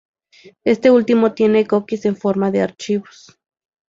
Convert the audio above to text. Este último tiene cookies en forma de archivos.